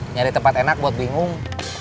nyari tempat enak buat bingung